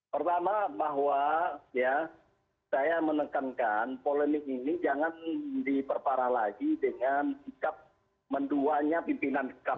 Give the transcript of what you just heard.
pertama bahwa saya menekankan polemik ini jangan diperparah lagi